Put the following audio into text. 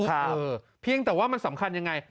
ครับเออเพียงแต่ว่ามันสำคัญยังไง